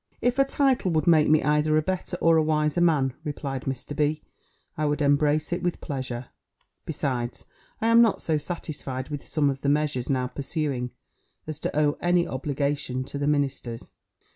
"If a title would make me either a better or a wiser man," replied Mr. B., "I would embrace it with pleasure. Besides, I am not so satisfied with some of the measures now pursuing, as to owe any obligation to the ministers.